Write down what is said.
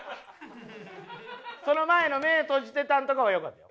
その前の目閉じてたんとかはよかった。